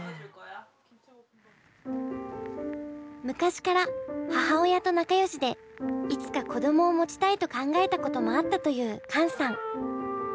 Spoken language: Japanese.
昔から母親と仲よしでいつか子供を持ちたいと考えたこともあったというカンさん。